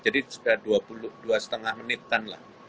jadi sudah dua lima menitan lah